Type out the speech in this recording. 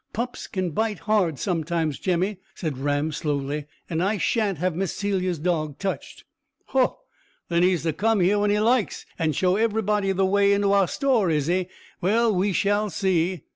"Pups can bite hard sometimes, Jemmy," said Ram slowly; "and I shan't have Miss Celia's dog touched." "Ho! Then he's to come here when he likes, and show everybody the way into our store, is he? Well, we shall see."